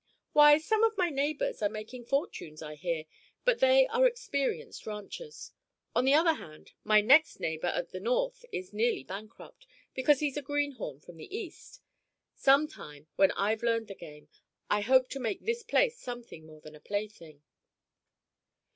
"Why, some of my neighbors are making fortunes, I hear; but they are experienced ranchers. On the other hand, my next neighbor at the north is nearly bankrupt, because he's a greenhorn from the east. Some time, when I've learned the game, I hope to make this place something more than a plaything."